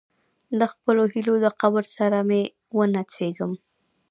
د خپلو هیلو د قبر سره مې ونڅیږم.